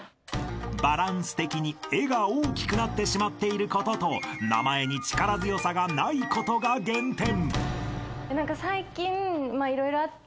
［バランス的に「エ」が大きくなってしまっていることと名前に力強さがないことが減点］